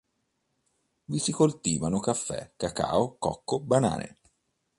Vi si coltivano caffè, cacao, cocco, banane.